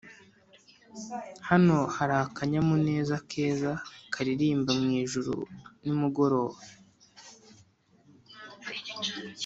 hano hari akanyamuneza keza karirimba mwijuru nimugoroba.